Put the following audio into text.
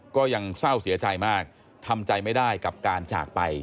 ก็ยังเศร้าเสียใจมากทำใจไม่ได้กับการจากไป